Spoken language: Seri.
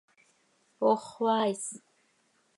¡Ox xoaa is!